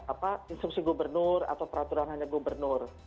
apa instruksi gubernur atau peraturan hanya gubernur